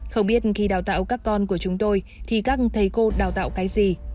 nhưng khi đào tạo các con của chúng tôi thì các thầy cô đào tạo cái gì